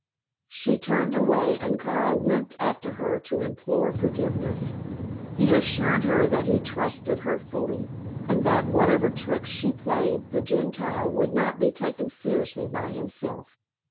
She turned away, and Kara limped after her to implore forgiveness. He assured her that he trusted her fully, and that whatever tricks she played the Gentile would not be taken seriously by himself.